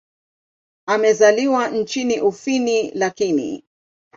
Amezaliwa nchini Ufini lakini.